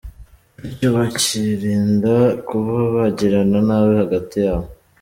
Bityo bakirinda kuba bagirirana nabi hagati yabo.